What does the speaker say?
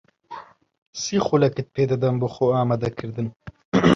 سی خولەکت پێ دەدەم بۆ خۆئامادەکردن.